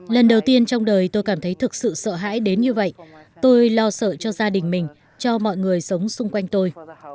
lần đầu tiên trong đời tôi cảm thấy thực sự sợ hãi đến như vậy tôi lo sợ cho gia đình mình cho mọi người sống xung quanh tôi